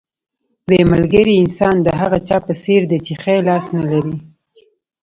بې ملګري انسان د هغه چا په څېر دی چې ښی لاس نه لري.